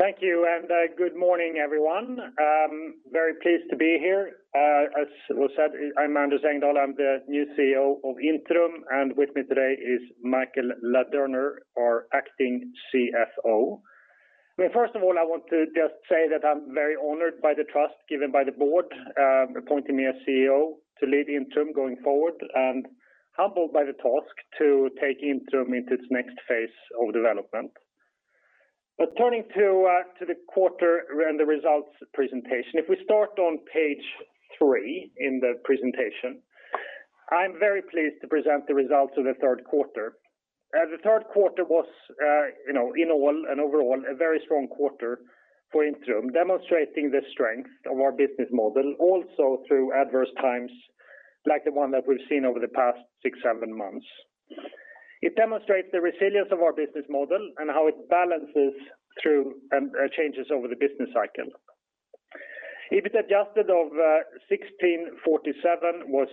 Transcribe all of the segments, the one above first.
Thank you, and good morning, everyone. I'm very pleased to be here. As was said, I'm Anders Engdahl. I'm the new CEO of Intrum, and with me today is Michael Ladurner, our acting CFO. First of all, I want to just say that I'm very honored by the trust given by the board appointing me as CEO to lead Intrum going forward, and humbled by the task to take Intrum into its next phase of development. Turning to the quarter and the results presentation. If we start on page three in the presentation, I'm very pleased to present the results of the third quarter. As the third quarter was in all and overall a very strong quarter for Intrum, demonstrating the strength of our business model, also through adverse times like the one that we've seen over the past six, seven months. It demonstrates the resilience of our business model and how it balances through changes over the business cycle. EBIT adjusted of 1,647 billion was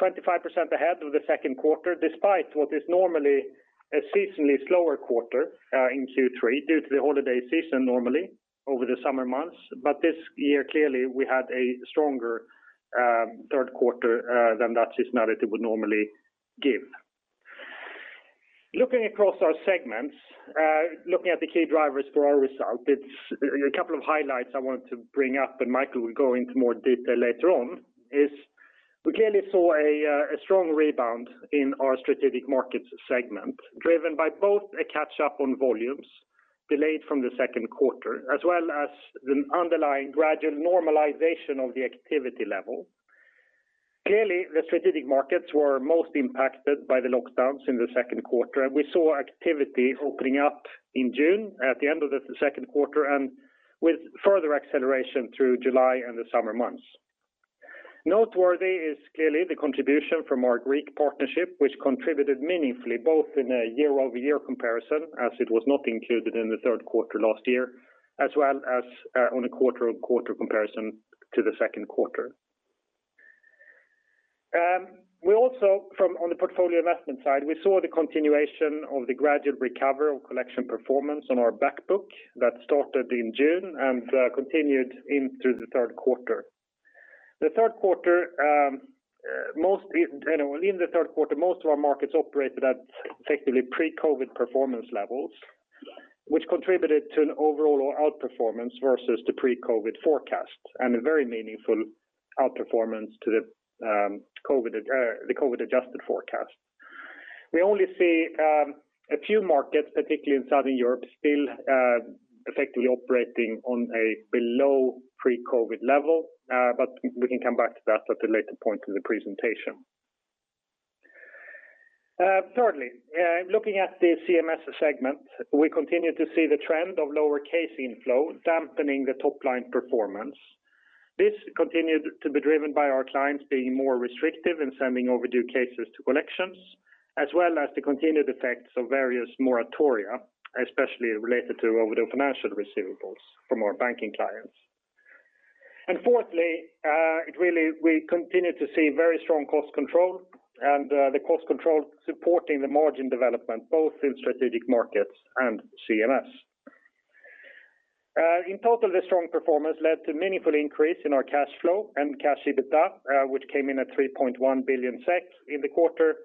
25% ahead of the second quarter, despite what is normally a seasonally slower quarter in Q3 due to the holiday season normally over the summer months. This year, clearly, we had a stronger third quarter than that seasonality would normally give. Looking across our segments, looking at the key drivers for our result, a couple of highlights I wanted to bring up, and Michael will go into more detail later on, is we clearly saw a strong rebound in our strategic markets segment, driven by both a catch-up on volumes delayed from the second quarter as well as the underlying gradual normalization of the activity level. Clearly, the strategic markets were most impacted by the lockdowns in the second quarter. We saw activity opening up in June at the end of the second quarter and with further acceleration through July and the summer months. Noteworthy is clearly the contribution from our Greek partnership, which contributed meaningfully both in a year-over-year comparison as it was not included in the third quarter last year, as well as on a quarter-on-quarter comparison to the second quarter. On the portfolio investment side, we saw the continuation of the gradual recovery of collection performance on our back book that started in June and continued into the third quarter. In the third quarter, most of our markets operated at effectively pre-COVID performance levels, which contributed to an overall outperformance versus the pre-COVID forecast and a very meaningful outperformance to the COVID-adjusted forecast. We only see a few markets, particularly in Southern Europe, still effectively operating on a below pre-COVID level. We can come back to that at a later point in the presentation. Thirdly, looking at the CMS segment, we continue to see the trend of lower case inflow dampening the top-line performance. This continued to be driven by our clients being more restrictive in sending overdue cases to collections, as well as the continued effects of various moratoria, especially related to overdue financial receivables from our banking clients. Fourthly, we continue to see very strong cost control and the cost control supporting the margin development both in strategic markets and CMS. In total, the strong performance led to meaningful increase in our cash flow and cash EBITDA which came in at 3.1 billion SEK in the quarter.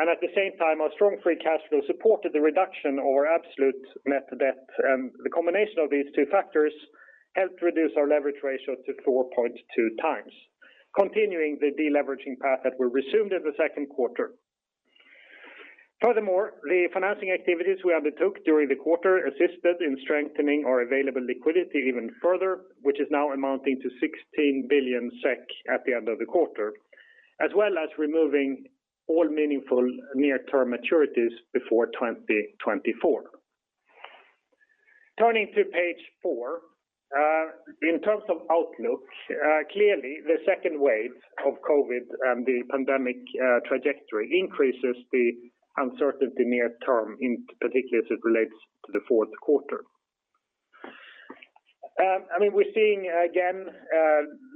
At the same time, our strong free cash flow supported the reduction of our absolute net debt. The combination of these two factors helped reduce our leverage ratio to 4.2x, continuing the deleveraging path that we resumed in the second quarter. The financing activities we undertook during the quarter assisted in strengthening our available liquidity even further, which is now amounting to 16 billion SEK at the end of the quarter, as well as removing all meaningful near-term maturities before 2024. Turning to page four. In terms of outlook, clearly the second wave of COVID and the pandemic trajectory increases the uncertainty near term, in particular as it relates to the fourth quarter. We're seeing again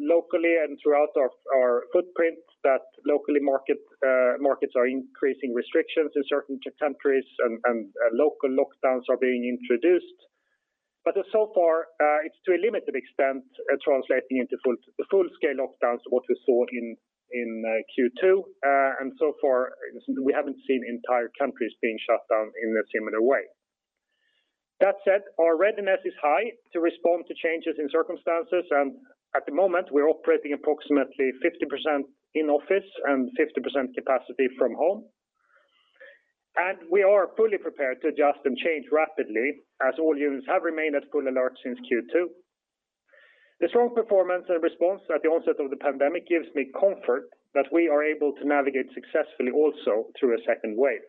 locally and throughout our footprint that locally markets are increasing restrictions in certain countries and local lockdowns are being introduced. So far it's to a limited extent translating into full-scale lockdowns, what we saw in Q2. So far, we haven't seen entire countries being shut down in a similar way. That said, our readiness is high to respond to changes in circumstances, and at the moment, we're operating approximately 50% in office and 50% capacity from home. We are fully prepared to adjust and change rapidly as all units have remained at full alert since Q2. The strong performance and response at the onset of the pandemic gives me comfort that we are able to navigate successfully also through a second wave.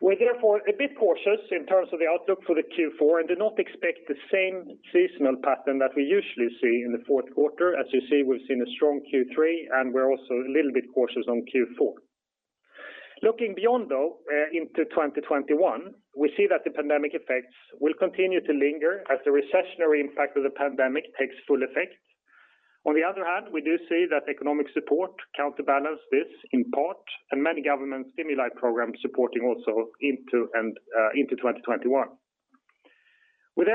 We're therefore a bit cautious in terms of the outlook for the Q4 and do not expect the same seasonal pattern that we usually see in the fourth quarter. As you see, we've seen a strong Q3, and we're also a little bit cautious on Q4. Looking beyond, though, into 2021, we see that the pandemic effects will continue to linger as the recessionary impact of the pandemic takes full effect. We do see that economic support counterbalance this in part, and many government stimuli programs supporting also into 2021. We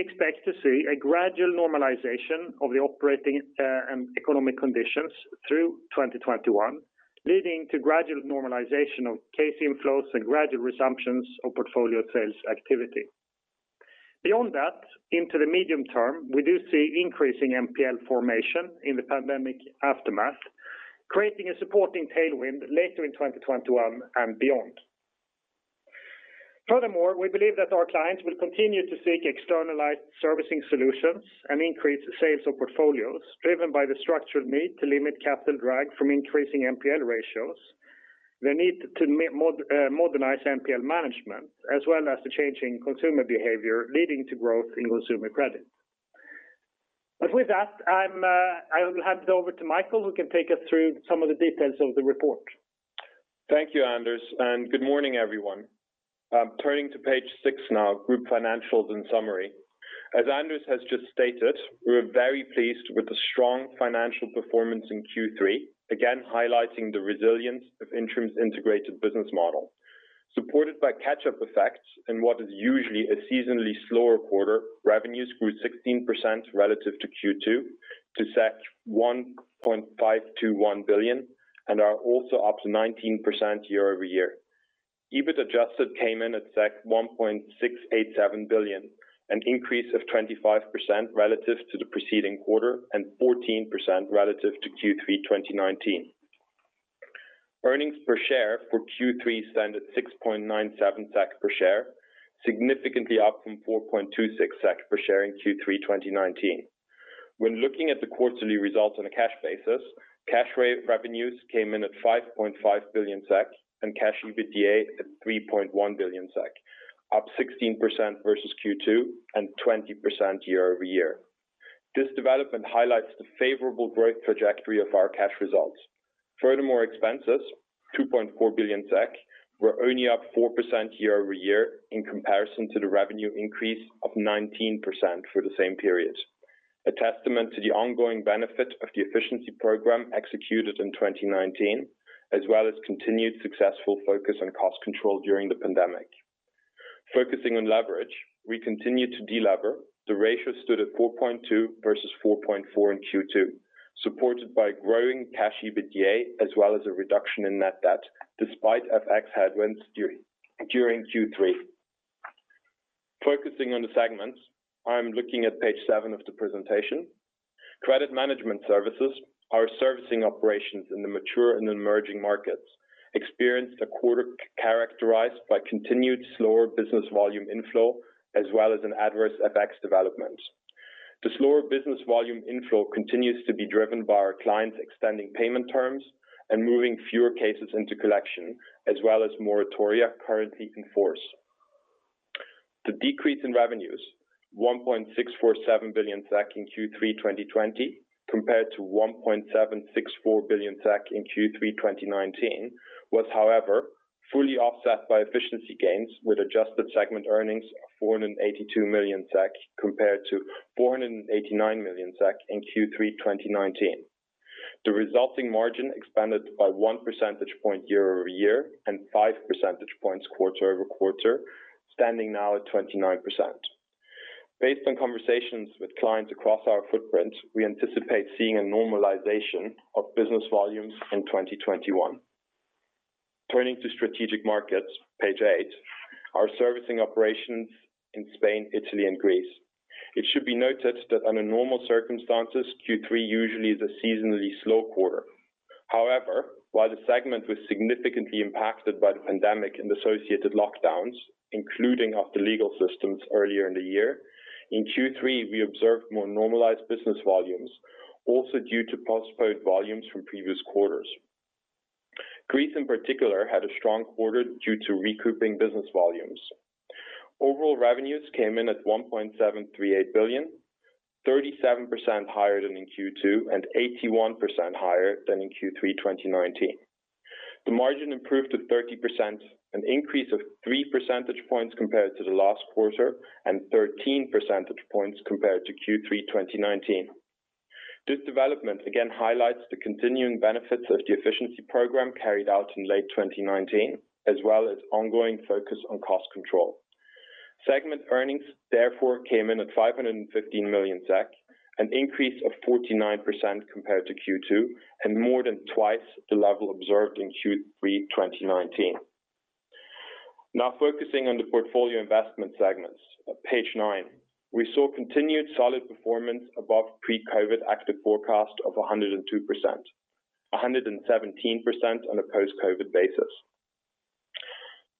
expect to see a gradual normalization of the operating and economic conditions through 2021, leading to gradual normalization of case inflows and gradual resumptions of portfolio sales activity. Into the medium term, we do see increasing NPL formation in the pandemic aftermath, creating a supporting tailwind later in 2021 and beyond. Furthermore, we believe that our clients will continue to seek externalized servicing solutions and increase sales of portfolios, driven by the structural need to limit capital drag from increasing NPL ratios, the need to modernize NPL management, as well as the changing consumer behavior leading to growth in consumer credit. With that, I will hand it over to Michael, who can take us through some of the details of the report. Thank you, Anders, good morning, everyone. Turning to page six now, group financials and summary. As Anders has just stated, we're very pleased with the strong financial performance in Q3, again highlighting the resilience of Intrum's integrated business model. Supported by catch-up effects in what is usually a seasonally slower quarter, revenues grew 16% relative to Q2 to 1.521 billion and are also up 19% year-over-year. EBIT adjusted came in at 1.687 billion, an increase of 25% relative to the preceding quarter and 14% relative to Q3 2019. Earnings per share for Q3 stand at 6.97 SEK per share, significantly up from 4.26 SEK per share in Q3 2019. When looking at the quarterly results on a cash basis, cash rate revenues came in at 5.5 billion SEK and cash EBITDA at 3.1 billion SEK, up 16% versus Q2 and 20% year-over-year. This development highlights the favorable growth trajectory of our cash results. Furthermore expenses, 2.4 billion SEK, were only up 4% year-over-year in comparison to the revenue increase of 19% for the same period, a testament to the ongoing benefit of the efficiency program executed in 2019, as well as continued successful focus on cost control during the pandemic. Focusing on leverage, we continue to delever. The ratio stood at 4.2 versus 4.4 in Q2, supported by growing cash EBITDA as well as a reduction in net debt despite FX headwinds during Q3. Focusing on the segments, I'm looking at page seven of the presentation. Credit management services, our servicing operations in the mature and emerging markets experienced a quarter characterized by continued slower business volume inflow as well as an adverse FX development. The slower business volume inflow continues to be driven by our clients extending payment terms and moving fewer cases into collection, as well as moratoria currently in force. The decrease in revenues, 1.647 billion SEK in Q3 2020 compared to 1.764 billion SEK in Q3 2019, was, however, fully offset by efficiency gains with adjusted segment earnings of 482 million SEK compared to 489 million SEK in Q3 2019. The resulting margin expanded by one percentage point year-over-year and five percentage points quarter-over-quarter, standing now at 29%. Based on conversations with clients across our footprint, we anticipate seeing a normalization of business volumes in 2021. Turning to strategic markets, page eight, our servicing operations in Spain, Italy, and Greece. It should be noted that under normal circumstances, Q3 usually is a seasonally slow quarter. While the segment was significantly impacted by the pandemic and associated lockdowns, including of the legal systems earlier in the year, in Q3, we observed more normalized business volumes, also due to postponed volumes from previous quarters. Greece in particular had a strong quarter due to recouping business volumes. Overall revenues came in at 1.738 billion, 37% higher than in Q2 and 81% higher than in Q3 2019. The margin improved to 30%, an increase of three percentage points compared to the last quarter and 13 percentage points compared to Q3 2019. This development again highlights the continuing benefits of the efficiency program carried out in late 2019, as well as ongoing focus on cost control. Segment earnings therefore came in at 515 million SEK, an increase of 49% compared to Q2 and more than twice the level observed in Q3 2019. Now focusing on the portfolio investment segments on page nine. We saw continued solid performance above pre-COVID active forecast of 102%, 117% on a post-COVID basis.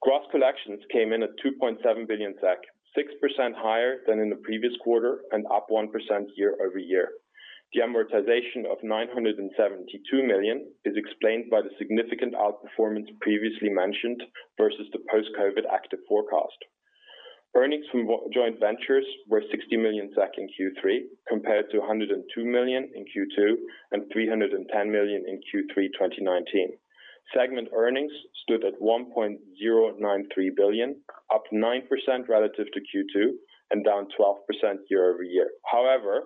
Gross collections came in at 2.7 billion SEK, 6% higher than in the previous quarter and up 1% year-over-year. The amortization of 972 million is explained by the significant outperformance previously mentioned versus the post-COVID active forecast. Earnings from joint ventures were 60 million SEK in Q3 compared to 102 million in Q2 and 310 million in Q3 2019. Segment earnings stood at 1.093 billion, up 9% relative to Q2 and down 12% year-over-year. However,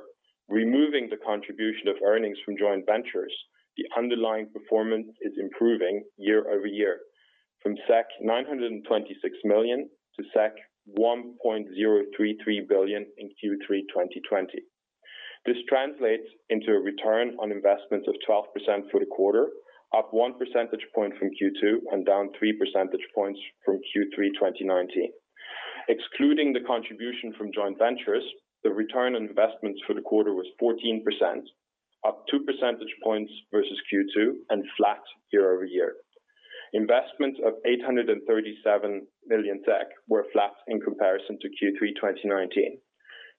removing the contribution of earnings from joint ventures, the underlying performance is improving year-over-year, from 926 million to 1.033 billion in Q3 2020. This translates into a return on investment of 12% for the quarter, up one percentage point from Q2 and down three percentage points from Q3 2019. Excluding the contribution from joint ventures, the return on investments for the quarter was 14%, up two percentage points versus Q2 and flat year-over-year. Investments of 837 million SEK were flat in comparison to Q3 2019.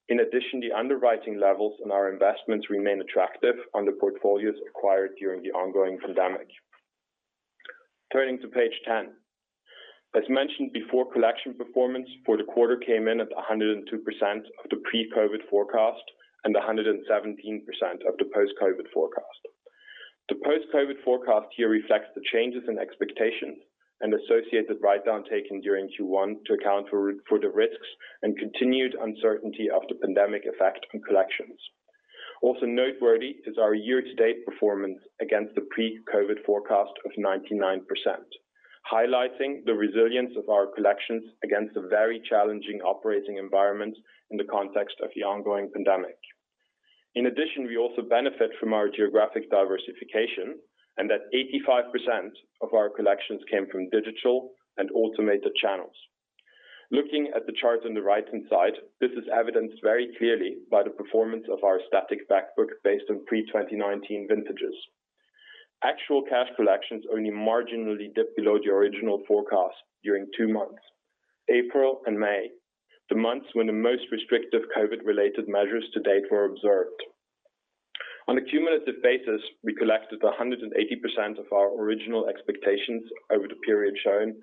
In addition, the underwriting levels on our investments remain attractive on the portfolios acquired during the ongoing pandemic. Turning to page 10. As mentioned before, collection performance for the quarter came in at 102% of the pre-COVID forecast and 117% of the post-COVID forecast. The post-COVID forecast here reflects the changes in expectations and associated write-down taken during Q1 to account for the risks and continued uncertainty of the pandemic effect on collections. Also noteworthy is our year-to-date performance against the pre-COVID forecast of 99%, highlighting the resilience of our collections against a very challenging operating environment in the context of the ongoing pandemic. In addition, we also benefit from our geographic diversification and that 85% of our collections came from digital and automated channels. Looking at the chart on the right-hand side, this is evidenced very clearly by the performance of our static back book based on pre-2019 vintages. Actual cash collections only marginally dipped below the original forecast during two months, April and May, the months when the most restrictive COVID-related measures to date were observed. On a cumulative basis, we collected 180% of our original expectations over the period shown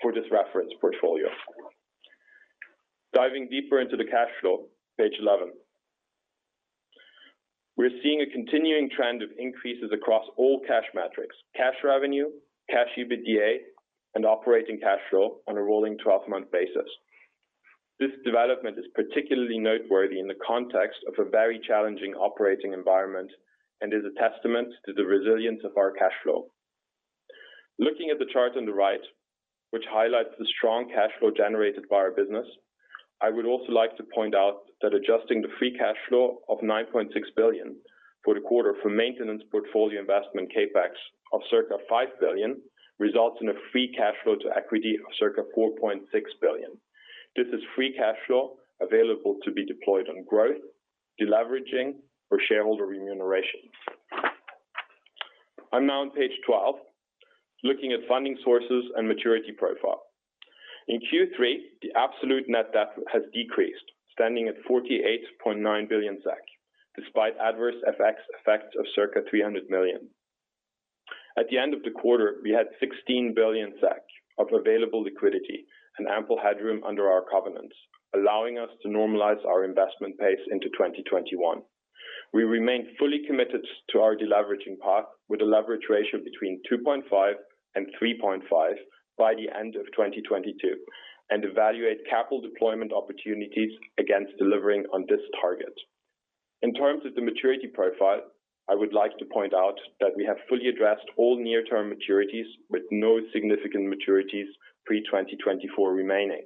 for this reference portfolio. Diving deeper into the cash flow, page 11. We're seeing a continuing trend of increases across all cash metrics, cash EBITDA, and operating cash flow on a rolling 12-month basis. This development is particularly noteworthy in the context of a very challenging operating environment and is a testament to the resilience of our cash flow. Looking at the chart on the right, which highlights the strong cash flow generated by our business, I would also like to point out that adjusting the free cash flow of 9.6 billion for the quarter for maintenance portfolio investment CapEx of circa 5 billion results in a free cash flow to equity of circa 4.6 billion. This is free cash flow available to be deployed on growth, deleveraging, or shareholder remuneration. I'm now on page 12, looking at funding sources and maturity profile. In Q3, the absolute net debt has decreased, standing at 48.9 billion SEK, despite adverse FX effects of circa 300 million. At the end of the quarter, we had 16 billion SEK of available liquidity and ample headroom under our covenants, allowing us to normalize our investment pace into 2021. We remain fully committed to our deleveraging path with a leverage ratio between 2.5 and 3.5 by the end of 2022 and evaluate capital deployment opportunities against delivering on this target. In terms of the maturity profile, I would like to point out that we have fully addressed all near-term maturities with no significant maturities pre-2024 remaining.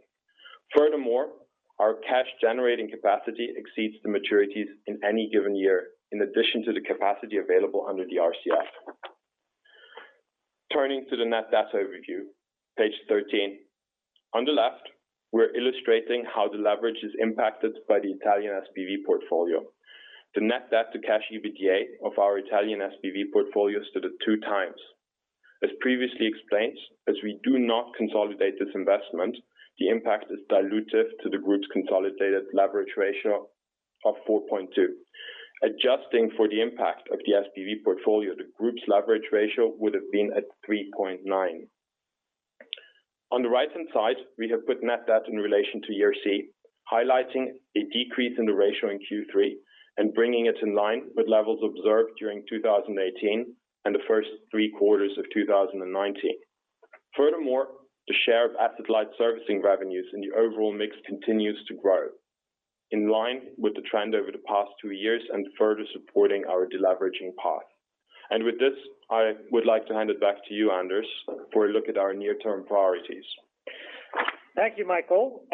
Our cash generating capacity exceeds the maturities in any given year, in addition to the capacity available under the RCF. Turning to the net debt overview, page 13. On the left, we're illustrating how the leverage is impacted by the Italian SPV portfolio. The net debt to cash EBITDA of our Italian SPV portfolio stood at two times. As previously explained, as we do not consolidate this investment, the impact is dilutive to the group's consolidated leverage ratio of 4.2. Adjusting for the impact of the SPV portfolio, the group's leverage ratio would have been at 3.9. On the right-hand side, we have put net debt in relation to ERC, highlighting a decrease in the ratio in Q3 and bringing it in line with levels observed during 2018 and the first three quarters of 2019. Furthermore, the share of asset-light servicing revenues in the overall mix continues to grow, in line with the trend over the past two years and further supporting our deleveraging path. With this, I would like to hand it back to you, Anders, for a look at our near-term priorities. Thank you, Michael.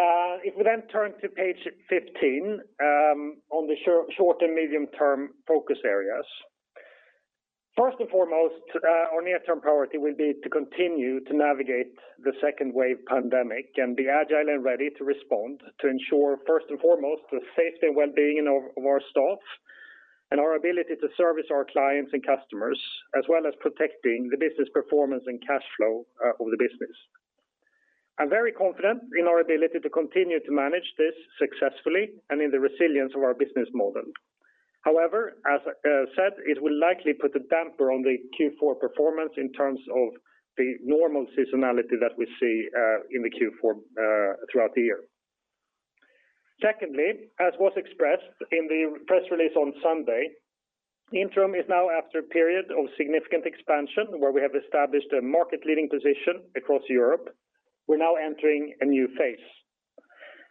We then turn to page 15, on the short and medium-term focus areas. First and foremost, our near-term priority will be to continue to navigate the second wave pandemic and be agile and ready to respond to ensure, first and foremost, the safety and well-being of our staff and our ability to service our clients and customers, as well as protecting the business performance and cash flow of the business. I'm very confident in our ability to continue to manage this successfully and in the resilience of our business model. As said, it will likely put a damper on the Q4 performance in terms of the normal seasonality that we see in the Q4 throughout the year. As was expressed in the press release on Sunday, Intrum is now after a period of significant expansion where we have established a market-leading position across Europe. We're now entering a new phase.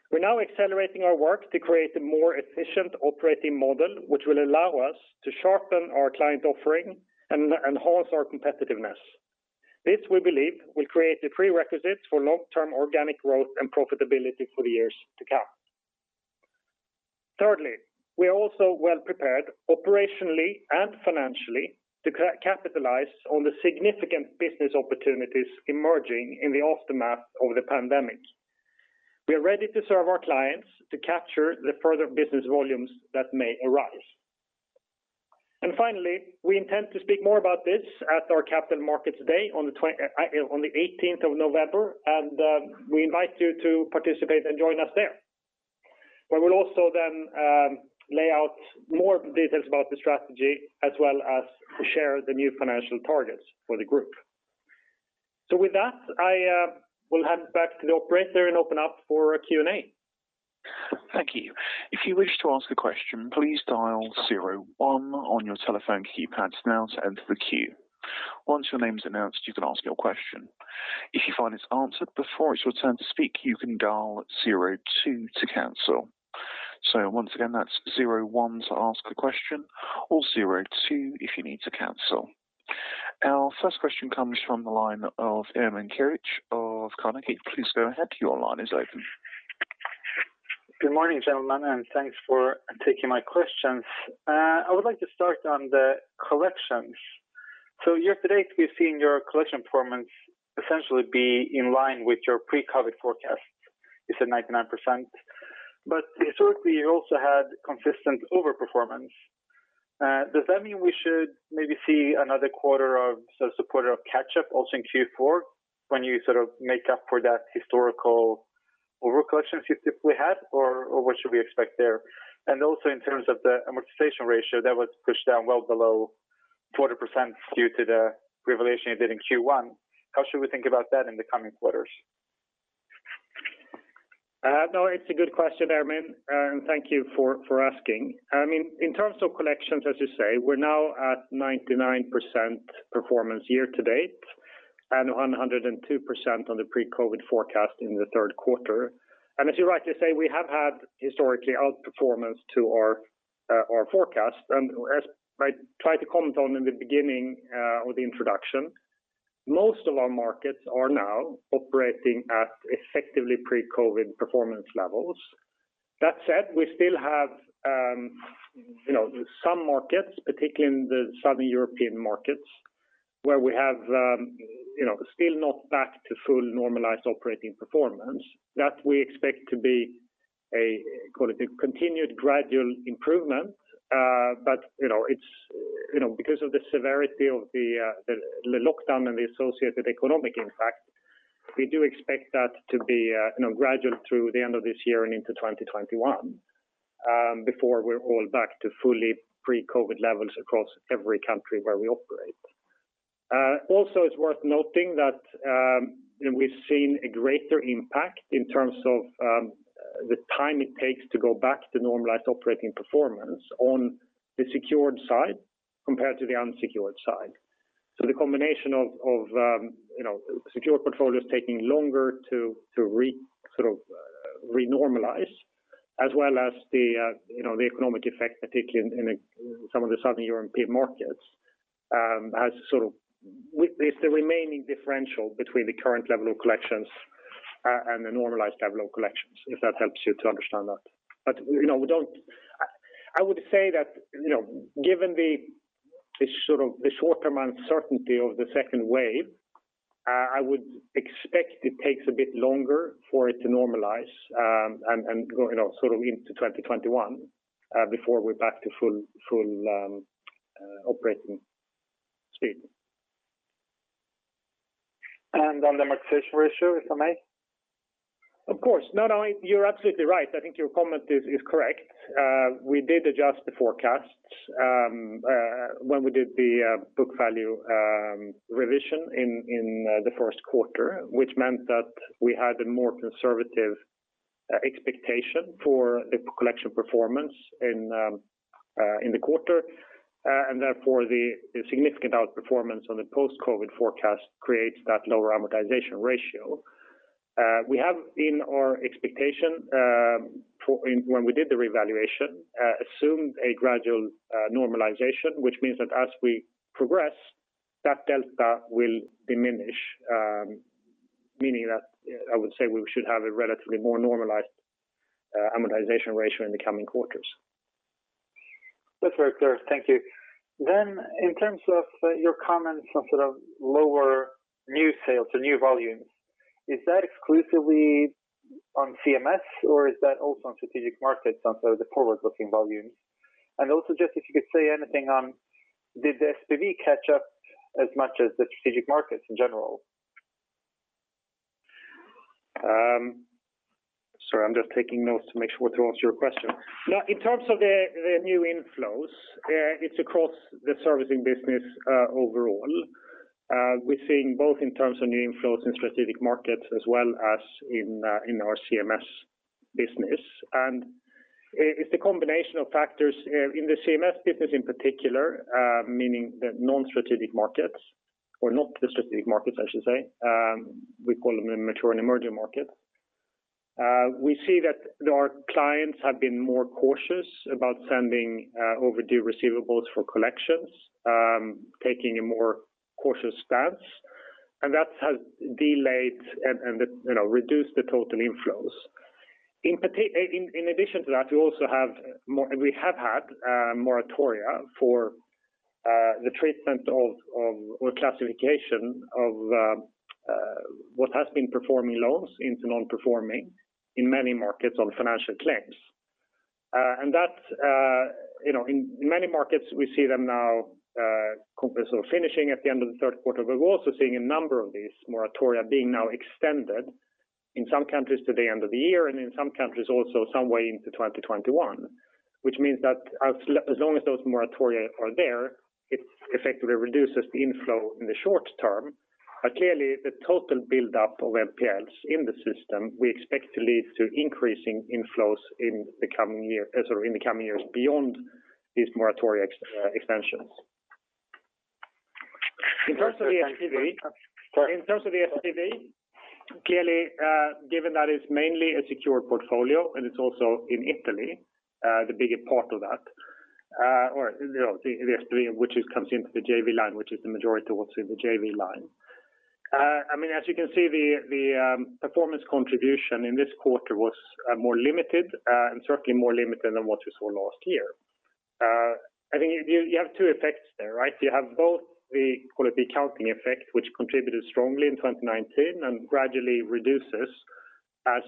We're now accelerating our work to create a more efficient operating model, which will allow us to sharpen our client offering and enhance our competitiveness. This, we believe, will create the prerequisites for long-term organic growth and profitability for the years to come. Thirdly, we are also well prepared operationally and financially to capitalize on the significant business opportunities emerging in the aftermath of the pandemic. We are ready to serve our clients to capture the further business volumes that may arise. Finally, we intend to speak more about this at our Capital Markets Day on the 18th of November, and we invite you to participate and join us there, where we'll also then lay out more details about the strategy as well as share the new financial targets for the group. With that, I will hand back to the operator and open up for a Q&A. Thank you. If you wish to ask a question, please dial zero one on your telephone keypad now to enter the queue. Once your name's announced, you can ask your question. If you find it's answered before it's your turn to speak, you can dial zero two to cancel. Once again, that's 01 to ask a question or zero three if you need to cancel. Our first question comes from the line of Ermin Keric of Carnegie. Please go ahead. Your line is open. Good morning, gentlemen, and thanks for taking my questions. I would like to start on the collections. Year to date, we've seen your collection performance essentially be in line with your pre-COVID forecast. You said 99%, but historically, you also had consistent overperformance. Does that mean we should maybe see another quarter of sort of supporter of catch-up also in Q4 when you sort of make up for that historical overcollections you typically had or what should we expect there? Also in terms of the amortization ratio that was pushed down well below 40% due to the revaluation you did in Q1, how should we think about that in the coming quarters? No, it's a good question, Ermin. Thank you for asking. In terms of collections, as you say, we're now at 99% performance year to date and 102% on the pre-COVID forecast in the third quarter. As you rightly say, we have had historically outperformance to our forecast. As I tried to comment on in the beginning or the introduction, most of our markets are now operating at effectively pre-COVID performance levels. That said, we still have some markets, particularly in the Southern European markets, where we have still not back to full normalized operating performance that we expect to be a call it continued gradual improvement. Because of the severity of the lockdown and the associated economic impact, we do expect that to be gradual through the end of this year and into 2021 before we're all back to fully pre-COVID levels across every country where we operate. Also, it's worth noting that we've seen a greater impact in terms of the time it takes to go back to normalized operating performance on the secured side compared to the unsecured side. The combination of secured portfolios taking longer to renormalize as well as the economic effect, particularly in some of the Southern European markets, it's the remaining differential between the current level of collections and the normalized level of collections, if that helps you to understand that. I would say that given the short-term uncertainty of the second wave, I would expect it takes a bit longer for it to normalize and go into 2021 before we're back to full operating speed. On the amortization ratio, if I may? Of course. No, you're absolutely right. I think your comment is correct. We did adjust the forecast when we did the book value revision in the first quarter, which meant that we had a more conservative expectation for the collection performance in the quarter, and therefore the significant outperformance on the post-COVID forecast creates that lower amortization ratio. We have in our expectation when we did the revaluation assumed a gradual normalization, which means that as we progress, that delta will diminish, meaning that I would say we should have a relatively more normalized amortization ratio in the coming quarters. That's very clear. Thank you. In terms of your comments on sort of lower new sales or new volumes, is that exclusively on CMS or is that also on strategic markets on sort of the forward-looking volumes? Also just if you could say anything on did the SPV catch up as much as the strategic markets in general? Sorry, I'm just taking notes to make sure to answer your question. In terms of the new inflows, it's across the servicing business overall. We're seeing both in terms of new inflows in strategic markets as well as in our CMS business. It's the combination of factors in the CMS business in particular, meaning the non-strategic markets or not the strategic markets I should say. We call them mature and emerging markets. We see that our clients have been more cautious about sending overdue receivables for collections, taking a more cautious stance, and that has delayed and reduced the total inflows. In addition to that, we have had moratoria for the treatment of or classification of what has been performing loans into non-performing in many markets on financial claims. In many markets, we see them now finishing at the end of the third quarter, but we're also seeing a number of these moratoria being now extended in some countries to the end of the year and in some countries also some way into 2021. Which means that as long as those moratoria are there, it effectively reduces the inflow in the short term. Clearly the total buildup of NPLs in the system, we expect to lead to increasing inflows in the coming years beyond these moratoria extensions. In terms of the SPV, clearly given that it's mainly a secured portfolio and it's also in Italy, the bigger part of that or the SPV which comes into the JV line, which is the majority what's in the JV line. As you can see, the performance contribution in this quarter was more limited and certainly more limited than what we saw last year. I think you have two effects there, right? You have both the quality accounting effect, which contributed strongly in 2019 and gradually reduces as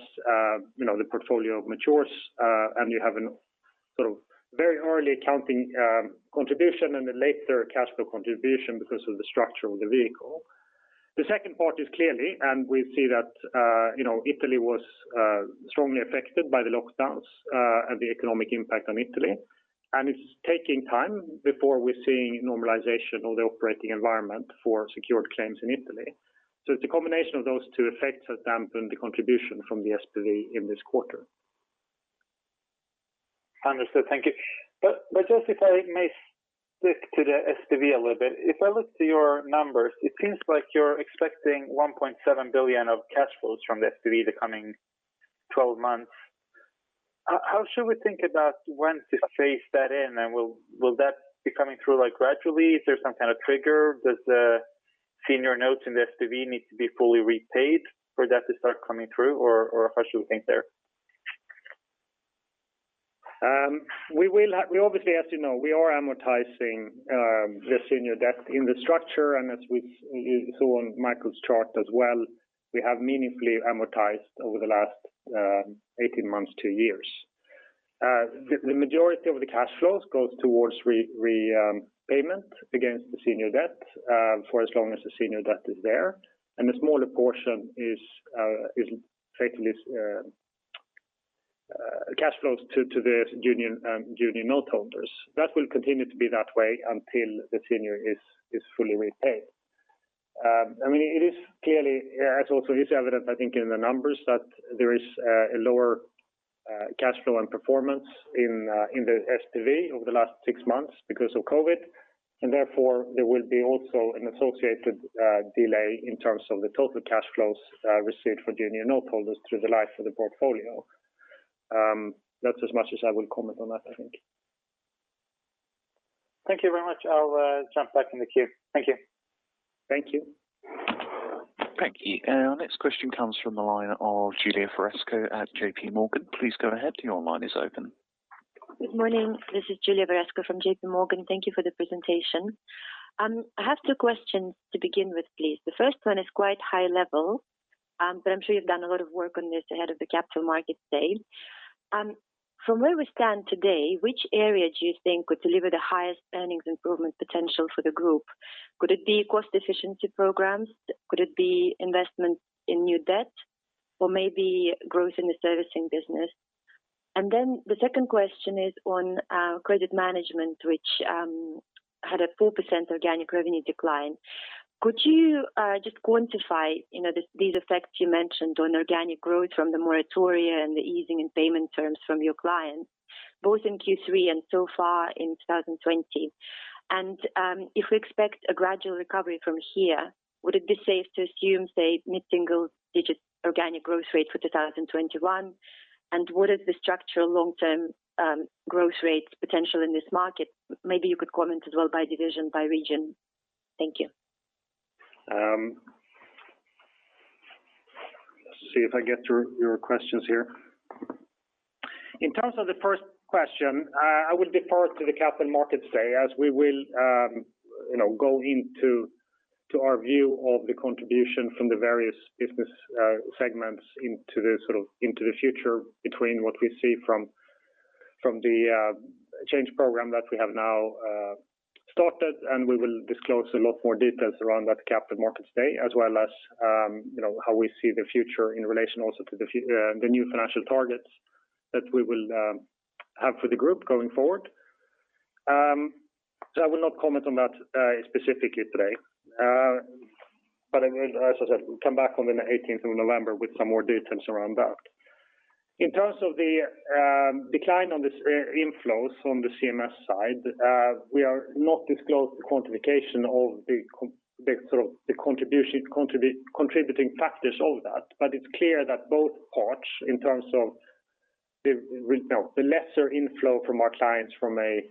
the portfolio matures, and you have a very early accounting contribution and a later cash flow contribution because of the structure of the vehicle. The second part is clearly, we see that Italy was strongly affected by the lockdowns and the economic impact on Italy, and it's taking time before we're seeing normalization of the operating environment for secured claims in Italy. It's a combination of those two effects has dampened the contribution from the SPV in this quarter. Understood. Thank you. Just if I may stick to the SPV a little bit, if I look to your numbers, it seems like you're expecting 1.7 billion of cash flows from the SPV the coming 12 months. How should we think about when to phase that in, and will that be coming through gradually? Is there some kind of trigger? Does the senior notes in the SPV need to be fully repaid for that to start coming through or how should we think there? As you know, we are amortizing the senior debt in the structure, and as we saw on Michael's chart as well, we have meaningfully amortized over the last 18 months to years. The majority of the cash flows goes towards repayment against the senior debt for as long as the senior debt is there, and the smaller portion is effectively cash flows to the junior note holders. That will continue to be that way until the senior is fully repaid. It is clearly, as also is evident I think in the numbers, that there is a lower cash flow and performance in the SPV over the last six months because of COVID, and therefore there will be also an associated delay in terms of the total cash flows received for junior note holders through the life of the portfolio. That's as much as I will comment on that, I think. Thank you very much. I'll jump back in the queue. Thank you. Thank you. Thank you. Our next question comes from the line of Julia Varesco at JPMorgan. Please go ahead. Your line is open. Good morning. This is Julia Varesco from JPMorgan. Thank you for the presentation. I have two questions to begin with, please. The first one is quite high level, but I'm sure you've done a lot of work on this ahead of the Capital Markets Day. From where we stand today, which area do you think would deliver the highest earnings improvement potential for the group? Could it be cost efficiency programs? Could it be investment in new debt or maybe growth in the servicing business? Then the second question is on credit management, which had a 4% organic revenue decline. Could you just quantify these effects you mentioned on organic growth from the moratoria and the easing in payment terms from your clients, both in Q3 and so far in 2020? If we expect a gradual recovery from here, would it be safe to assume, say, mid-single digit organic growth rate for 2021? What is the structural long-term growth rate potential in this market? Maybe you could comment as well by division, by region. Thank you. Let's see if I get your questions here. In terms of the first question, I will defer to the Capital Markets Day as we will go into our view of the contribution from the various business segments into the future between what we see from the change program that we have now started. We will disclose a lot more details around that Capital Markets Day, as well as how we see the future in relation also to the new financial targets that we will have for the group going forward. I will not comment on that specifically today. As I said, we'll come back on the 18th of November with some more details around that. In terms of the decline on the inflows from the CMS side, we are not disclosed the quantification of the contributing factors of that, but it's clear that both parts in terms of the lesser inflow from our clients from a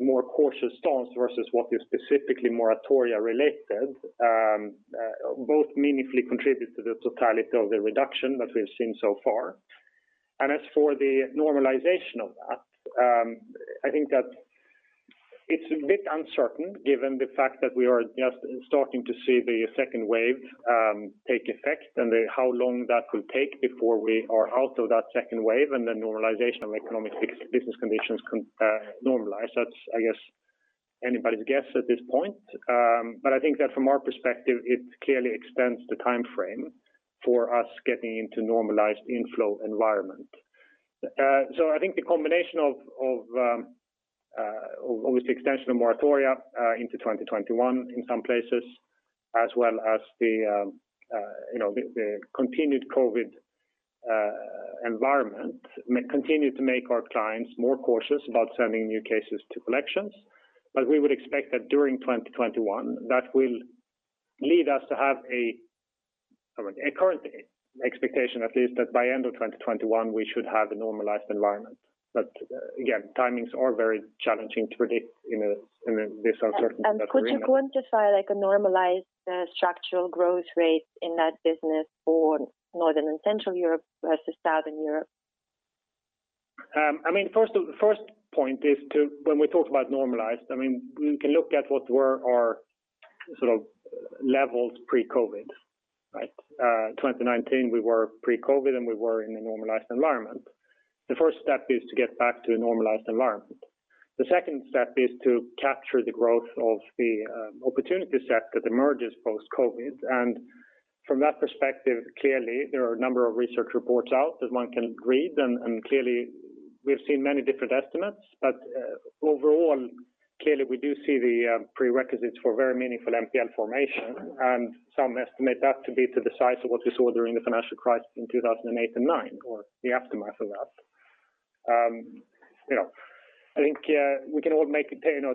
more cautious stance versus what is specifically moratoria related, both meaningfully contribute to the totality of the reduction that we've seen so far. As for the normalization of that, I think that it's a bit uncertain given the fact that we are just starting to see the second wave take effect and how long that will take before we are out of that second wave and the normalization of economic business conditions can normalize. That's, I guess, anybody's guess at this point. I think that from our perspective, it clearly extends the timeframe for us getting into normalized inflow environment. I think the combination of obviously extension of moratoria into 2021 in some places, as well as the continued COVID environment continue to make our clients more cautious about sending new cases to collections. We would expect that during 2021, that will lead us to have a current expectation at least that by end of 2021, we should have a normalized environment. Again, timings are very challenging to predict in this uncertainty. Could you quantify like a normalized structural growth rate in that business for Northern and Central Europe versus Southern Europe? First point is when we talk about normalized, we can look at what were our levels pre-COVID, right? 2019, we were pre-COVID, and we were in a normalized environment. The first step is to get back to a normalized environment. The second step is to capture the growth of the opportunity set that emerges post-COVID. From that perspective, clearly, there are a number of research reports out that one can read, and clearly, we've seen many different estimates. Overall, clearly, we do see the prerequisites for very meaningful NPL formation, and some estimate that to be to the size of what we saw during the financial crisis in 2008 and 2009, or the aftermath of that. I think we can all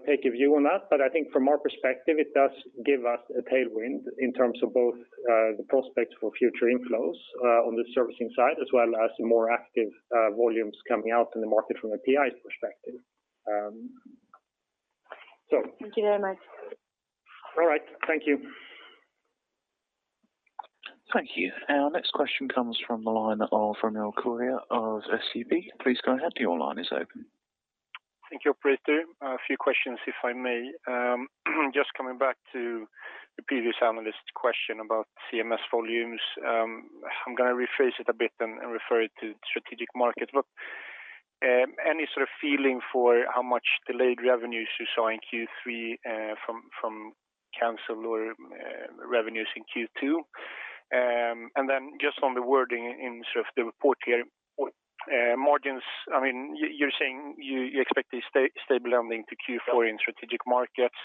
take a view on that, but I think from our perspective, it does give us a tailwind in terms of both the prospects for future inflows on the servicing side, as well as more active volumes coming out in the market from a PI perspective. Thank you very much. All right. Thank you. Thank you. Our next question comes from the line of Romil Koria of SEB. Please go ahead. Thank you, operator. A few questions, if I may. Just coming back to the previous analyst question about CMS volumes. I'm going to rephrase it a bit and refer it to strategic markets. Any sort of feeling for how much delayed revenues you saw in Q3 from canceled or revenues in Q2? Just on the wording in sort of the report here, margins, you're saying you expect a stable ending to Q4 in strategic markets.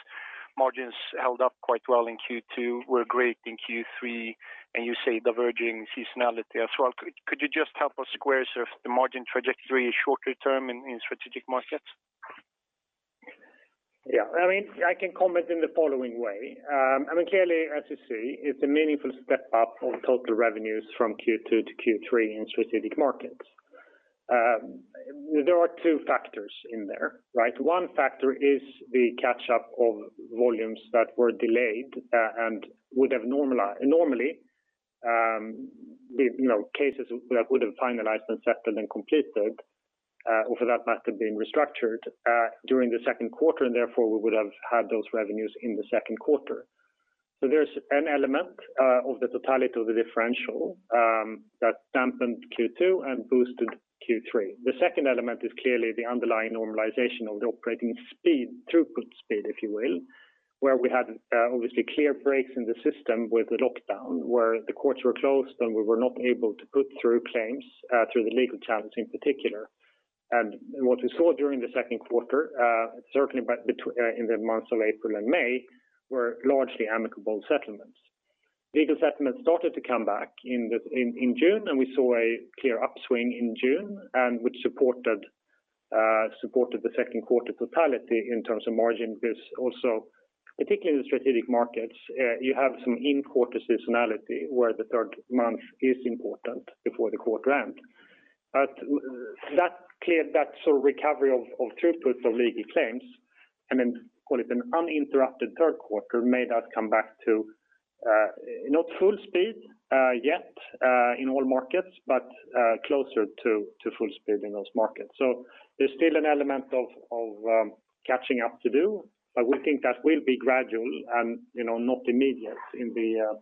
Margins held up quite well in Q2, were great in Q3, and you say diverging seasonality as well. Could you just help us square sort of the margin trajectory shorter term in strategic markets? Yeah. I can comment in the following way. Clearly, as you see, it's a meaningful step up of total revenues from Q2 to Q3 in strategic markets. There are two factors in there, right? One factor is the catch-up of volumes that were delayed and would have normally cases that would have finalized and settled and completed for that matter, being restructured during the second quarter, and therefore we would have had those revenues in the second quarter. There's an element of the totality of the differential that dampened Q2 and boosted Q3. The second element is clearly the underlying normalization of the operating speed, throughput speed, if you will, where we had obviously clear breaks in the system with the lockdown where the courts were closed, and we were not able to put through claims through the legal channels in particular. What we saw during the second quarter, certainly in the months of April and May, were largely amicable settlements. Legal settlements started to come back in June, and we saw a clear upswing in June, and which supported the second quarter totality in terms of margin because also, particularly in strategic markets, you have some in-quarter seasonality where the third month is important before the quarter end. That sort of recovery of throughput of legal claims and then call it an uninterrupted third quarter made us come back to not full speed yet in all markets, but closer to full speed in those markets. There's still an element of catching up to do, but we think that will be gradual and not immediate in the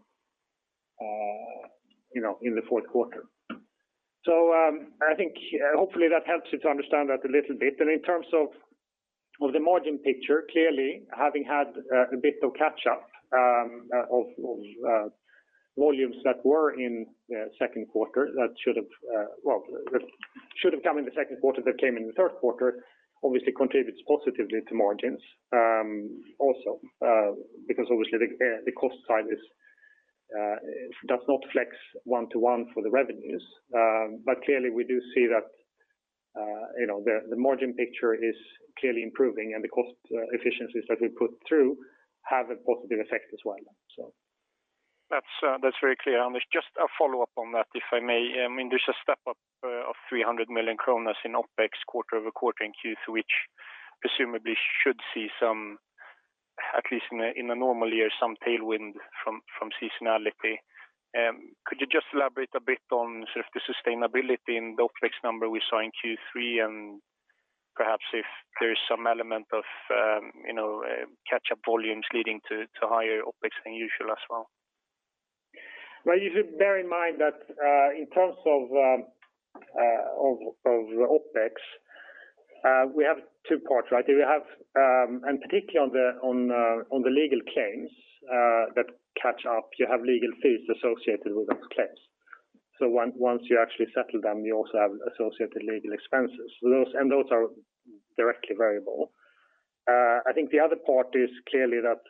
fourth quarter. I think hopefully that helps you to understand that a little bit. In terms of the margin picture, clearly having had a bit of catch up of volumes that were in the second quarter that should have come in the second quarter, that came in the third quarter, obviously contributes positively to margins. Because obviously the cost side does not flex one-to-one for the revenues. Clearly we do see that the margin picture is clearly improving and the cost efficiencies that we put through have a positive effect as well. That's very clear, Anders. Just a follow-up on that, if I may. There's a step up of 300 million kronor in OPEX quarter-over-quarter in Q3, which presumably should see some, at least in a normal year, some tailwind from seasonality. Could you just elaborate a bit on sort of the sustainability in the OPEX number we saw in Q3 and perhaps if there's some element of catch-up volumes leading to higher OPEX than usual as well? Well, you should bear in mind that in terms of OPEX we have two parts. We have, particularly on the legal claims that catch up, you have legal fees associated with those claims. Once you actually settle them, you also have associated legal expenses. Those are directly variable. I think the other part is clearly that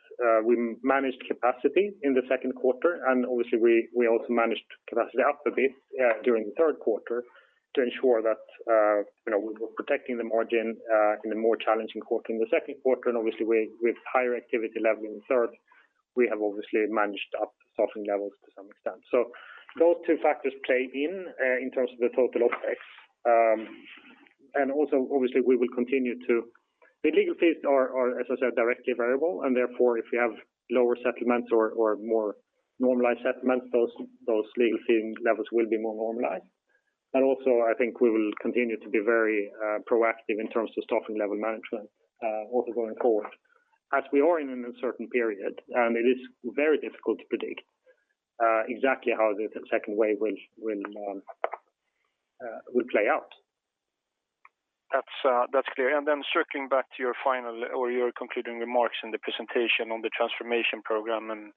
we managed capacity in the second quarter and obviously we also managed capacity up a bit during the third quarter to ensure that we were protecting the margin in a more challenging quarter in the second quarter. Obviously with higher activity level in the third, we have obviously managed up staffing levels to some extent. Those two factors play in terms of the total OPEX. The legal fees are, as I said, directly variable, and therefore if we have lower settlements or more normalized settlements, those legal fee levels will be more normalized. Also I think we will continue to be very proactive in terms of staffing level management also going forward as we are in an uncertain period and it is very difficult to predict exactly how the second wave will play out. That's clear. Then circling back to your concluding remarks in the presentation on the transformation program and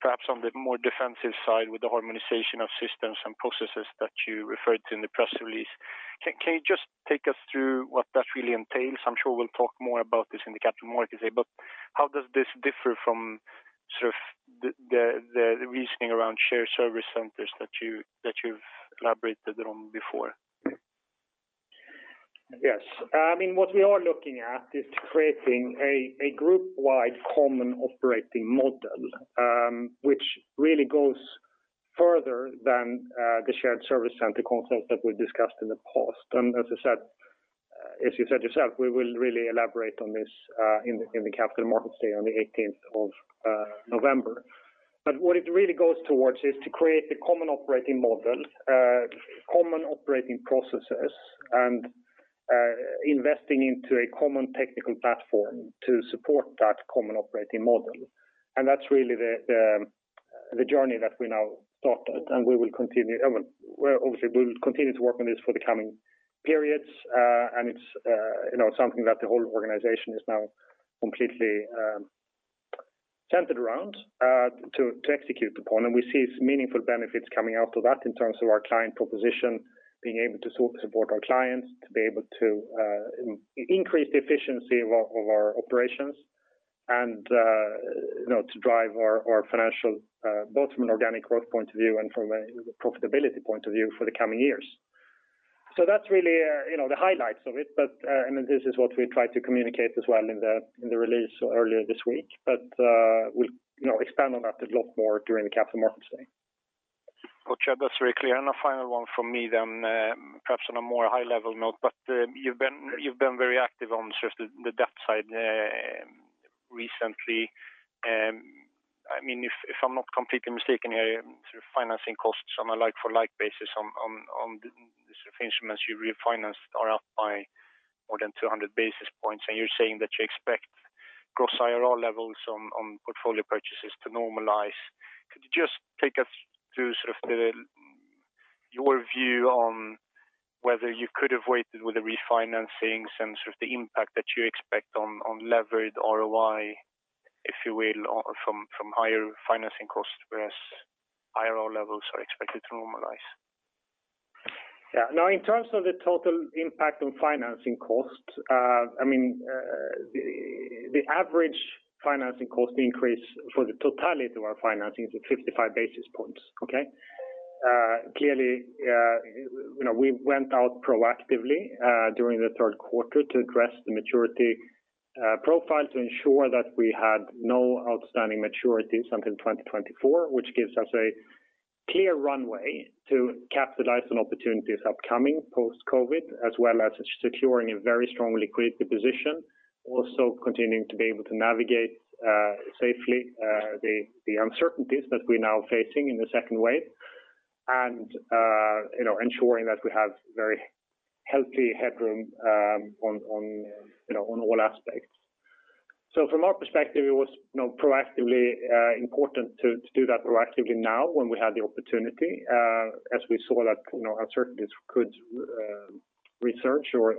perhaps on the more defensive side with the harmonization of systems and processes that you referred to in the press release. Can you just take us through what that really entails? I'm sure we'll talk more about this in the Capital Markets Day, but how does this differ from the reasoning around shared service centers that you've elaborated on before? Yes. What we are looking at is creating a group wide common operating model which really goes further than the shared service center concept that we discussed in the past. As you said yourself, we will really elaborate on this in the Capital Markets Day on the 18th of November. What it really goes towards is to create a common operating model, common operating processes and investing into a common technical platform to support that common operating model. That's really the journey that we now started and we will continue. Obviously we will continue to work on this for the coming periods. It's something that the whole organization is now completely centered around to execute upon. We see meaningful benefits coming out of that in terms of our client proposition, being able to support our clients, to be able to increase the efficiency of our operations and to drive our financial both from an organic growth point of view and from a profitability point of view for the coming years. That's really the highlights of it. This is what we try to communicate as well in the release earlier this week. We'll expand on that a lot more during the Capital Markets Day. Got you. That's very clear. A final one from me then. Perhaps on a more high level note, you've been very active on the debt side recently. If I'm not completely mistaken here, financing costs on a like for like basis on the instruments you refinanced are up by more than 200 basis points and you're saying that you expect gross IRR levels on portfolio purchases to normalize. Could you just take us through your view on whether you could have waited with the refinancing and the impact that you expect on leverage ROI, if you will, from higher financing costs, whereas IRR levels are expected to normalize? Yeah. In terms of the total impact on financing costs the average financing cost increase for the totality of our financing is at 55 basis points. Okay. We went out proactively during the third quarter to address the maturity profile to ensure that we had no outstanding maturities until 2024, which gives us a clear runway to capitalize on opportunities upcoming post-COVID, as well as securing a very strong liquidity position. Continuing to be able to navigate safely the uncertainties that we're now facing in the second wave and ensuring that we have very healthy headroom on all aspects. From our perspective, it was proactively important to do that proactively now when we had the opportunity, as we saw that uncertainties could resurface or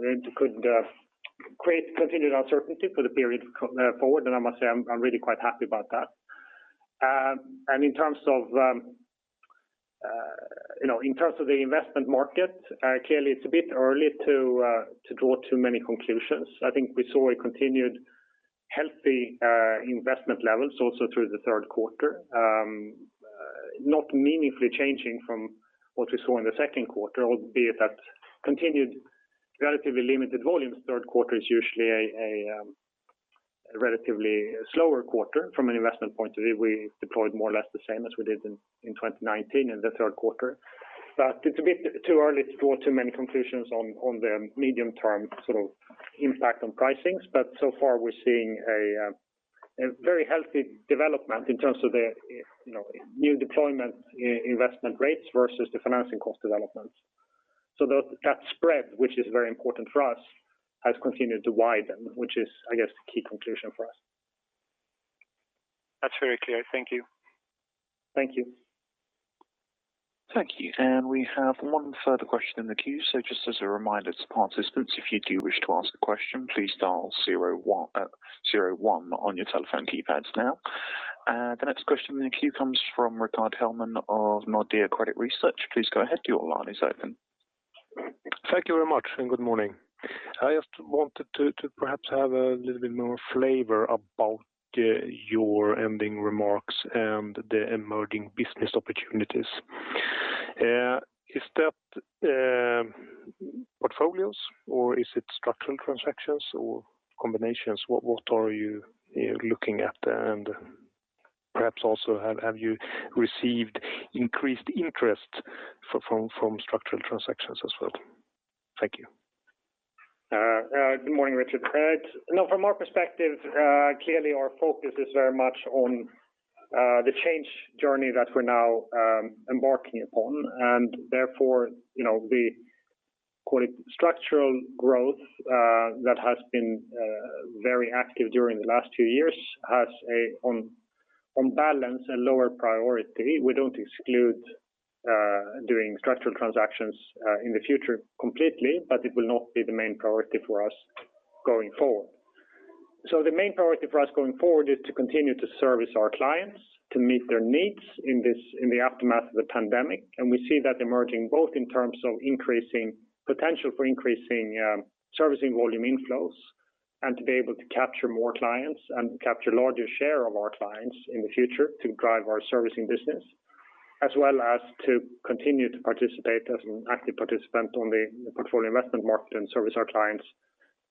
they could create continued uncertainty for the period forward. I must say, I'm really quite happy about that. In terms of the investment market, clearly it's a bit early to draw too many conclusions. I think we saw a continued healthy investment levels also through the third quarter. Not meaningfully changing from what we saw in the second quarter, albeit that continued relatively limited volumes. Third quarter is usually a relatively slower quarter from an investment point of view. We deployed more or less the same as we did in 2019 in the third quarter. It's a bit too early to draw too many conclusions on the medium term impact on pricings. So far, we're seeing a very healthy development in terms of the new deployment investment rates versus the financing cost developments. That spread, which is very important for us, has continued to widen, which is, I guess, the key conclusion for us. That's very clear. Thank you. Thank you. Thank you. We have one further question in the queue. Just as a reminder to participants, if you do wish to ask a question, please dial zero one on your telephone keypads now. The next question in the queue comes from Rickard Hellman of Nordea Credit Research. Please go ahead, your line is open. Thank you very much. Good morning. I just wanted to perhaps have a little bit more flavor about your ending remarks and the emerging business opportunities. Is that portfolios or is it structural transactions or combinations? What are you looking at? Perhaps also have you received increased interest from structural transactions as well? Thank you. Good morning, Rickard. No, from our perspective, clearly our focus is very much on the change journey that we're now embarking upon, and therefore, the call it structural growth that has been very active during the last few years has on balance, a lower priority. We don't exclude doing structural transactions in the future completely, but it will not be the main priority for us going forward. The main priority for us going forward is to continue to service our clients, to meet their needs in the aftermath of the pandemic. We see that emerging both in terms of potential for increasing servicing volume inflows and to be able to capture more clients and capture larger share of our clients in the future to drive our servicing business, as well as to continue to participate as an active participant on the portfolio investment market and service our clients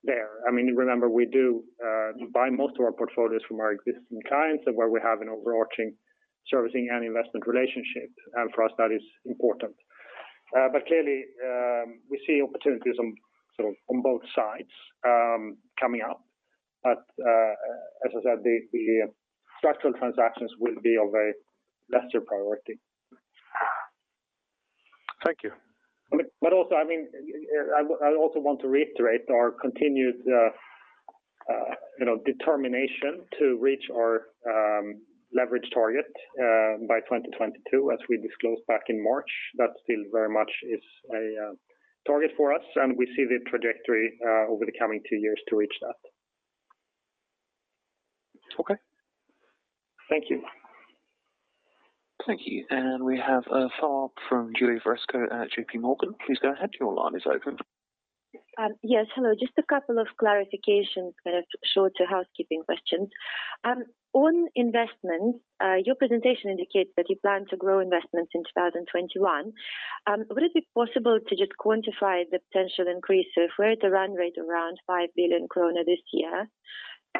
there. Remember, we do buy most of our portfolios from our existing clients and where we have an overarching servicing and investment relationship. For us, that is important. Clearly we see opportunities on both sides coming up. As I said, the structural transactions will be of a lesser priority. Thank you. I also want to reiterate our continued determination to reach our leverage target by 2022, as we disclosed back in March. That still very much is a target for us, and we see the trajectory over the coming two years to reach that. Okay. Thank you. Thank you. We have a follow-up from Julia Varesco at JPMorgan. Please go ahead. Your line is open. Yes. Hello. Just a couple of clarifications, shorter housekeeping questions. On investments, your presentation indicates that you plan to grow investments in 2021. Would it be possible to just quantify the potential increase if we're at a run rate around 5 billion krona this year?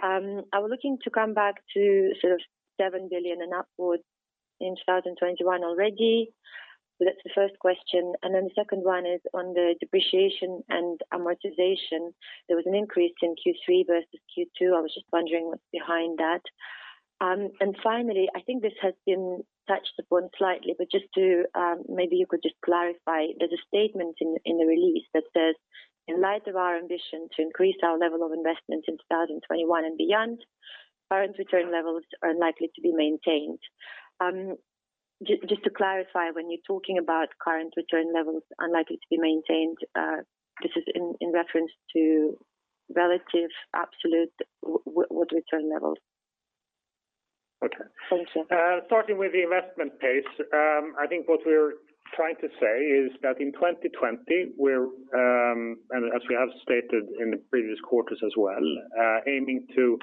Are we looking to come back to sort of 7 billion and upwards in 2021 already? That's the first question. The second one is on the depreciation and amortization. There was an increase in Q3 versus Q2. I was just wondering what's behind that. Finally, I think this has been touched upon slightly, but maybe you could just clarify. There's a statement in the release that says, "In light of our ambition to increase our level of investment in 2021 and beyond, current return levels are unlikely to be maintained." Just to clarify, when you're talking about current return levels unlikely to be maintained, this is in reference to relative, absolute, what return levels? Okay. Thank you. Starting with the investment pace, I think what we're trying to say is that in 2020, and as we have stated in the previous quarters as well, aiming to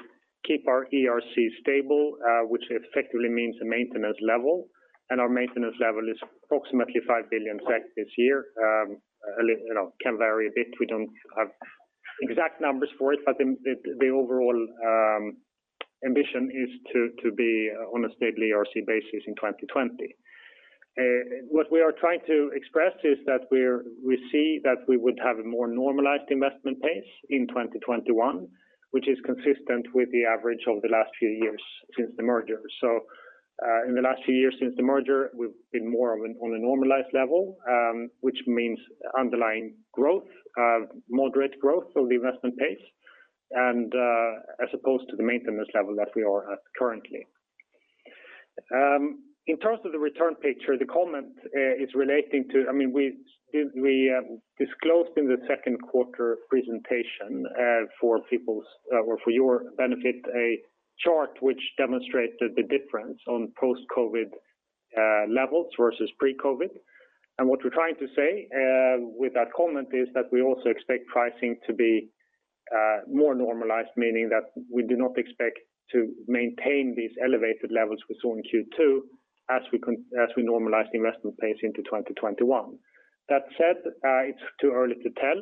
keep our ERC stable which effectively means a maintenance level, and our maintenance level is approximately 5 billion SEK this year. Can vary a bit. We don't have exact numbers for it, but the overall ambition is to be on a stable ERC basis in 2020. What we are trying to express is that we see that we would have a more normalized investment pace in 2021, which is consistent with the average over the last few years since the merger. In the last few years since the merger, we've been more on a normalized level, which means underlying growth, moderate growth of the investment pace and as opposed to the maintenance level that we are at currently. In terms of the return picture, the comment is relating to We disclosed in the second quarter presentation for your benefit, a chart which demonstrated the difference on post-COVID levels versus pre-COVID. What we're trying to say with that comment is that we also expect pricing to be more normalized, meaning that we do not expect to maintain these elevated levels we saw in Q2 as we normalize the investment pace into 2021. That said, it's too early to tell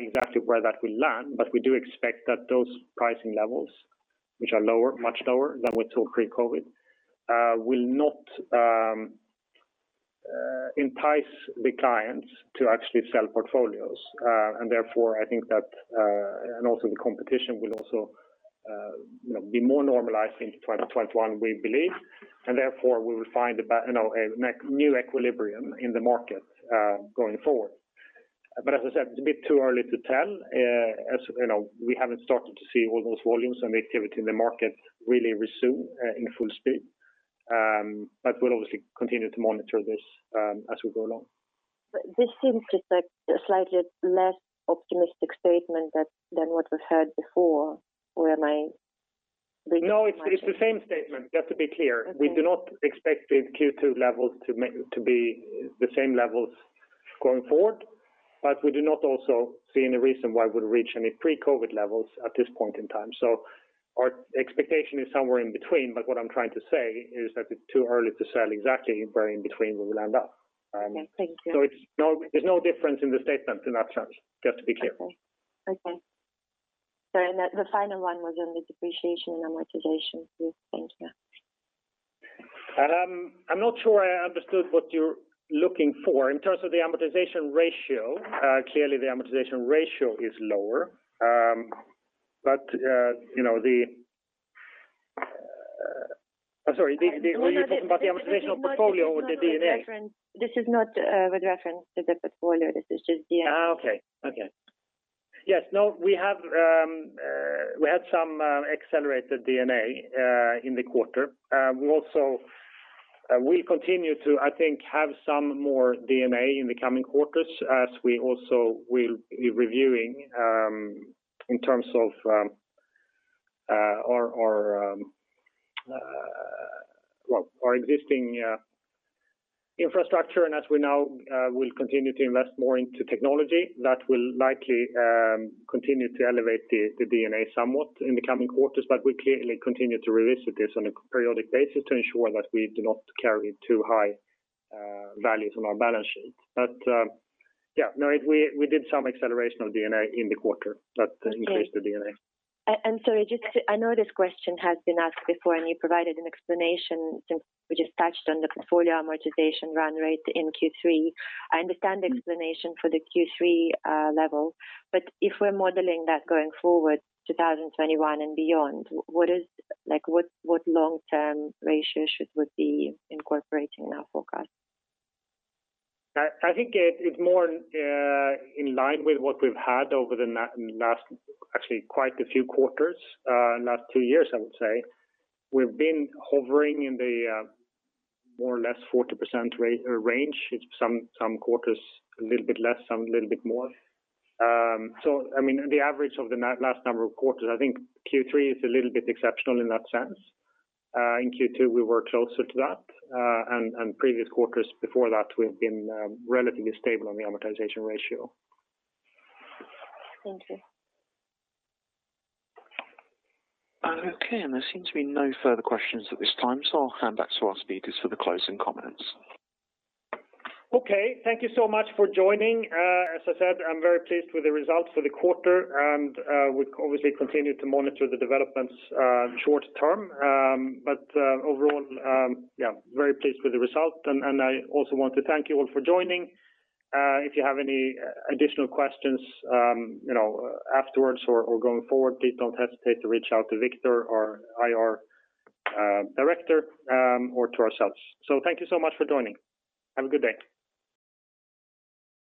exactly where that will land, but we do expect that those pricing levels, which are much lower than we saw pre-COVID, will not entice the clients to actually sell portfolios. Also the competition will also be more normalized into 2021, we believe. Therefore, we will find a new equilibrium in the market going forward. As I said, it's a bit too early to tell as we haven't started to see all those volumes and the activity in the market really resume in full speed. We'll obviously continue to monitor this as we go along. This seems just like a slightly less optimistic statement than what we've heard before or am I reading too much? No, it's the same statement, just to be clear. Okay. We do not expect the Q2 levels to be the same levels going forward. We do not also see any reason why we'll reach any pre-COVID levels at this point in time. Our expectation is somewhere in between, but what I'm trying to say is that it's too early to tell exactly where in between we will end up. Okay. Thank you. There's no difference in the statement in that sense, just to be clear. Okay. Sorry, the final one was on the depreciation and amortization please. Thank you. I'm not sure I understood what you're looking for. In terms of the amortization ratio, clearly the amortization ratio is lower. I'm sorry, were you talking about the amortization of portfolio or the D&A? This is not with reference to the portfolio. This is just D&A. Okay. Yes, we had some accelerated D&A in the quarter. We also will continue to, I think, have some more D&A in the coming quarters as we also will be reviewing in terms of our existing infrastructure. As we now will continue to invest more into technology, that will likely continue to elevate the D&A somewhat in the coming quarters. We clearly continue to revisit this on a periodic basis to ensure that we do not carry too high values on our balance sheet. We did some acceleration of D&A in the quarter that increased the D&A. Sorry, I know this question has been asked before, and you provided an explanation since we just touched on the portfolio amortization run rate in Q3. I understand the explanation for the Q3 level, but if we're modeling that going forward 2021 and beyond, what long-term ratio should we be incorporating in our forecast? I think it's more in line with what we've had over the last actually quite a few quarters. Last two years, I would say. We've been hovering in the more or less 40% range. Some quarters a little bit less, some a little bit more. I mean, the average of the last number of quarters, I think Q3 is a little bit exceptional in that sense. In Q2, we were closer to that. Previous quarters before that, we've been relatively stable on the amortization ratio. Thank you. Okay, there seems to be no further questions at this time. I'll hand back to our speakers for the closing comments. Thank you so much for joining. As I said, I'm very pleased with the results for the quarter. We obviously continue to monitor the developments short term. Overall, very pleased with the result. I also want to thank you all for joining. If you have any additional questions afterwards or going forward, please don't hesitate to reach out to Viktor our IR director or to ourselves. Thank you so much for joining. Have a good day.